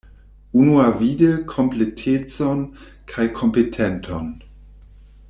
Unuavide kompletecon kaj kompetenton.